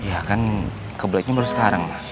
ya kan ke bladenya baru sekarang ma